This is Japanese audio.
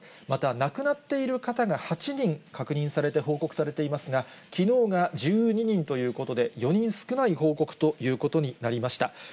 また亡くなっている方が８人確認されて、報告されていますが、きのうが１２人ということで、４人少ない報告ということになりました。